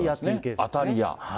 当たり屋。